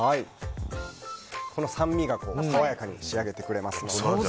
この酸味が爽やかに仕上げてくれます。